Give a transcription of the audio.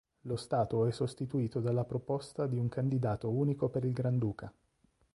Lo stato è sostituito dalla proposta di un candidato unico per il Granduca.